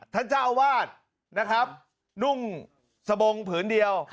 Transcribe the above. เจ้าวาดนะครับนุ่งสบงผืนเดียว